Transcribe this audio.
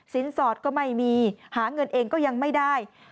สอดก็ไม่มีหาเงินเองก็ยังไม่ได้